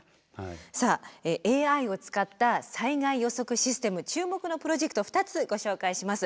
さあＡＩを使った災害予測システム注目のプロジェクト２つご紹介します。